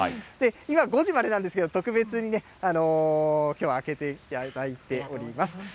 今５時までなんですけど、特別にね、きょうは開けていただいております。